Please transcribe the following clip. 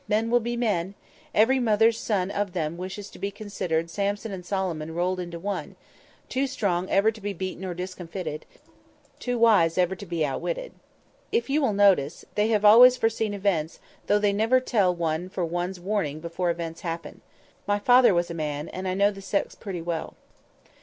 men will be men. Every mother's son of them wishes to be considered Samson and Solomon rolled into one—too strong ever to be beaten or discomfited—too wise ever to be outwitted. If you will notice, they have always foreseen events, though they never tell one for one's warning before the events happen. My father was a man, and I know the sex pretty well."